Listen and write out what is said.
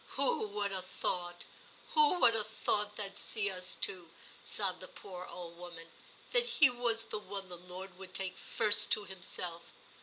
*Who would ha* thought, who would ha* thought that see*d us two,' sobbed the poor old woman, *that he was the one the Lord would take first to Himself!